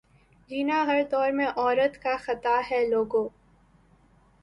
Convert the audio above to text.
جینا ہر دور میں عورت کا خطا ہے لوگو